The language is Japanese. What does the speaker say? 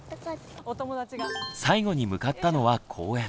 最後に向かったのは公園。